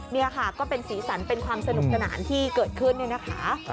นี่ค่ะก็เป็นสีสันเป็นความสนุกสนานที่เกิดขึ้นเนี่ยนะคะ